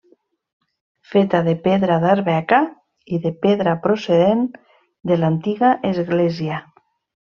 Feta de pedra d'Arbeca i de pedra procedent de l'antiga església.